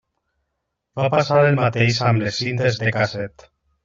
Va passar el mateix amb les cintes de casset.